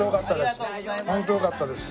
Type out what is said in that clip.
本当よかったです。